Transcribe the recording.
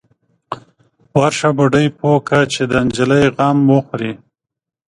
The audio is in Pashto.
_ورشه، بوډۍ پوه که چې د نجلۍ غم وخوري.